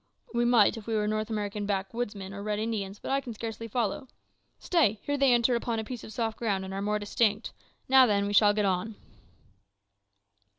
"We might, if we were North American backwoodsmen or Red Indians; but I can scarcely follow. Stay, here they enter upon a piece of soft ground, and are more distinct. Now, then, we shall get on."